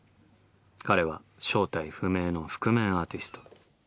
彼は正体不明の覆面アーティスト。